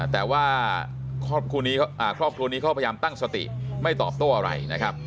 แต่ว่าครอบครัวนี้เขาพยายามตั้งสติไม่ตอบโต้อะไรนะครับ